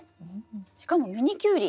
しかもミニキュウリ。